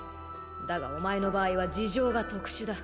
だがお前の場合は事情が特殊だ